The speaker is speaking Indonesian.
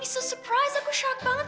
yuk kita bajer bareng yuk